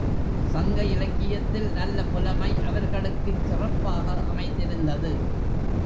சங்க இலக்கியத்தில் நல்ல புலமை அவர் களுக்குச் சிறப்பாக அமைந்திருந்தது.